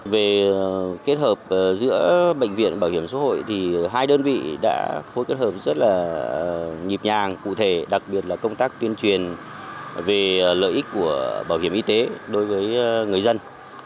về kết hợp giữa bệnh viện bảo hiểm xã hội thì hai đơn vị đã phối kết hợp rất là nhịp nhàng cụ thể đặc biệt là công tác tuyên truyền về lợi ích của bảo hiểm y tế đối với người dân